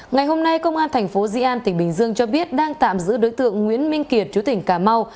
ngày hôm nay công an thành phố di an tỉnh bình dương cho biết đang tạm giữ đối tượng nguyễn minh kiệt chú tỉnh cà mau